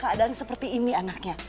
kalo ada keadaan seperti ini anaknya